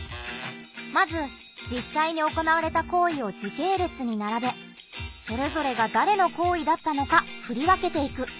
まずじっさいに行われた行為を時系列にならべそれぞれがだれの行為だったのかふり分けていく。